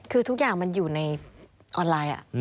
คือทุกอย่างมันอยู่ในออนไลน์